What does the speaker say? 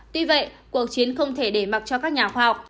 tuy vậy cuộc chiến không thể để mặc cho các nhà khoa học